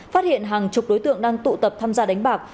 phát hiện hàng chục đối tượng đang tụ tập tham gia đánh bạc